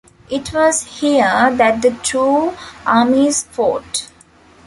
It was here that the two armies fought.